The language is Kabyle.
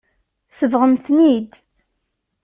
Tsebɣem-ten-id.